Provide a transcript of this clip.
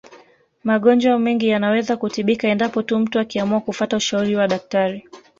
Magonjwa mengi yanaweza kutibika endapo tu mtu akiamua kufata ushauri wa daktari